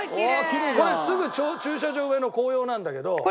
これすぐ駐車場上の紅葉なんだけど。